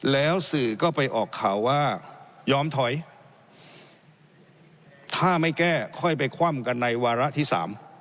แล้วสื่อก็ไปออกข่าวว่ายอมถอยถ้าไม่แก้ค่อยไปคว่ำกันในวาระที่สาม